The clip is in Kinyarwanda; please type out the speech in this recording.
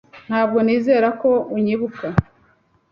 Ntabwo nizera ko anyibuka.